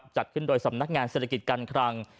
จัดขึ้นโดยสำนักงานเศรษฐกิจการคลัง